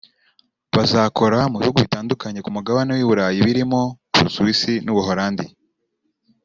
bazakora mu bihugu bitandukanye ku Mugabane w’i Burayi birimo u Busuwisi n’u Buholandi